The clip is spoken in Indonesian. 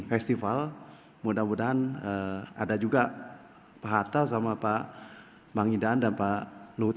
festival mudah mudahan ada juga pak hatta sama pak bang hindaan dan pak luhut